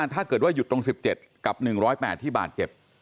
ถ้าเกิดว่าหยุดตรง๑๗กับ๑๐๘ที่บาดเจ็บ